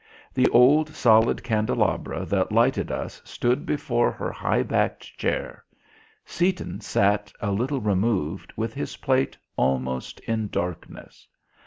The old solid candelabra that lighted us stood before her high backed chair. Seaton sat a little removed, with his plate almost in darkness.